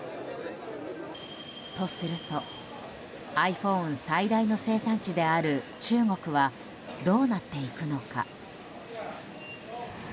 とするとｉＰｈｏｎｅ最大の生産地である中国はどうなっていくのか。